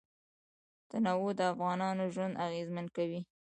تنوع د افغانانو ژوند اغېزمن کوي.